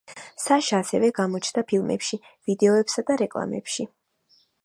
საშა ასევე გამოჩნდა ფილმებში, ვიდეოებსა და რეკლამებში.